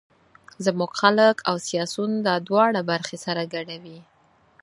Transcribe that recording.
زموږ خلک او سیاسون دا دواړه برخې سره ګډوي.